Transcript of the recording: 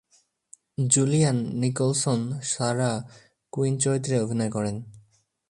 Julian Nicholson Sarah Quinn চরিত্রে অভিনয় করেন।